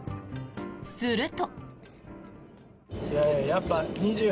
すると。